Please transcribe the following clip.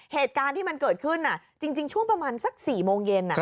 เหตุการณ์ที่มันเกิดขึ้นจริงช่วงประมาณสัก๔โมงเย็น